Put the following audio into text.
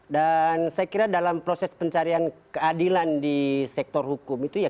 dan saya kira dalam proses pencarian keadilan di sektor hukum itu ya